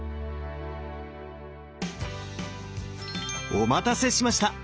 お待たせしました！